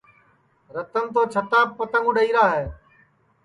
رتن تو چھتاپ پتنٚگ اُڈؔائیرا ہے